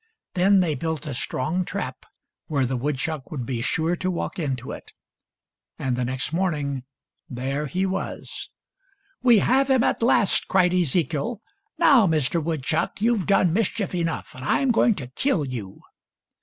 Then they built a strong trap where the woodchuck would be sure to walk into it ; and the next morning, there he was. " We have him at last !" cried Ezekiel. " Now, Mr. Woodchuck, you've done mischief enough, and I'm going to kill you."